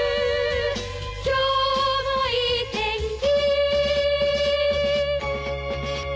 「今日もいい天気」